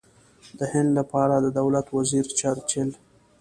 د هند لپاره د دولت وزیر چرچل.